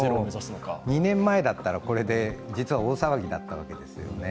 ただ、２年前だったら、これで大騒ぎだったわけですよね。